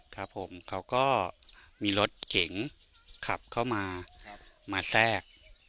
เขาก็มีรถเข่งขับเข้ามามาแซก